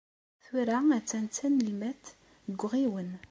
Tura attan d tanelmadt deg uɣiwen.